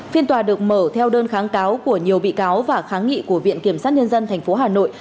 phiên tòa được mở theo đơn kháng cáo của nhiều bị cáo và kháng nghị của viện kiểm sát nhân dân tp hà nội